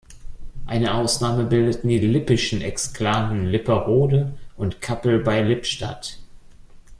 Eine Ausnahme bildeten die lippischen Exklaven Lipperode und Cappel bei Lippstadt.